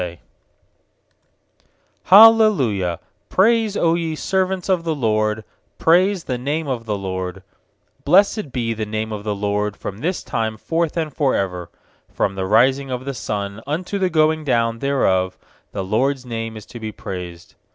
_L ci praise^ Q ye servants of the LORD, Praise the name of the LORD. ^Blessed be the name of the LORD From this time forth and for ever. 3From the rising of the sun unto the going down thereof The LORD'S name is to be praised.